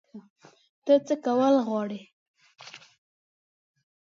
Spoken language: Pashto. ته څه کول غواړې؟